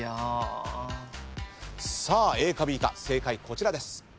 さあＡかＢか正解こちらです。